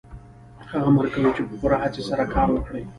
هغه امر کوي چې په پوره هڅې سره کار وکړئ